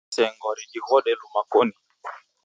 Sigha sengwa ridighode luma koni.